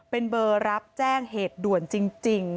เป็นเบอร์รับแจ้งเหตุด่วนจริง